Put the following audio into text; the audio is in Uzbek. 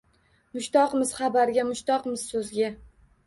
Mushtoqmiz xabarga, mushtoqmiz so’zga